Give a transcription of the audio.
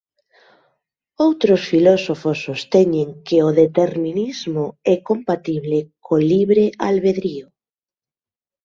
Outros filósofos sosteñen que o determinismo é compatible co libre albedrío.